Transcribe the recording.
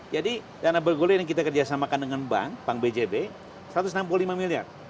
jadi dana bergulir yang kita kerjasamakan dengan bank bank bjb satu ratus enam puluh lima miliar